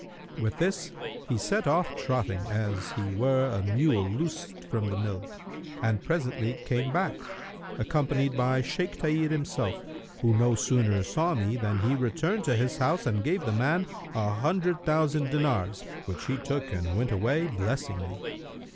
With this he set off trotting, as he were a mule loosed from the mill, and presently came back, accompanied by Shaykh Tahir himself, who no sooner saw me than he returned to his house and gave the man an hundred thousand dinars which he took and went away blessing me.